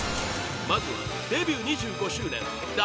まずはデビュー２５周年